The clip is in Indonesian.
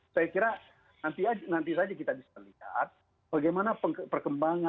saya kira nanti saja kita bisa lihat bagaimana perkembangan